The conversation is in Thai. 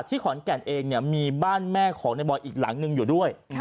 ขอนแก่นเองเนี่ยมีบ้านแม่ของในบอยอีกหลังหนึ่งอยู่ด้วย